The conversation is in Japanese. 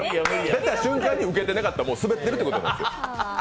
出た瞬間にウケなかったら、すべってるってことですよ。